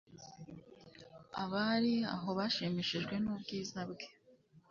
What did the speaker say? Abari aho bashimishijwe nubwiza bwe